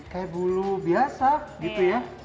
kayak bulu biasa gitu ya